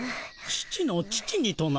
父の父にとな？